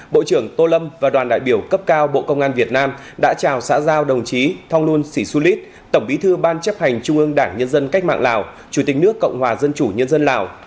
bộ trưởng tô lâm và đoàn đại biểu cấp cao bộ công an việt nam đã chào xã giao đồng chí thong luân sĩ xu lít tổng bí thư ban chấp hành trung ương đảng nhân dân cách mạng lào chủ tịch nước cộng hòa dân chủ nhân dân lào